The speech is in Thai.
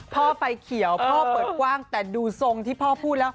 พ่อไฟเขียวพ่อเปิดกว้างแต่ดูทรงที่พ่อพูดแล้ว